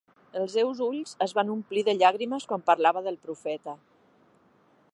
Els seus ulls es van omplir de llàgrimes quan parlava del profeta.